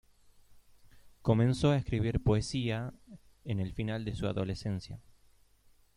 Comenzó a escribir poesía en el final de su adolescencia.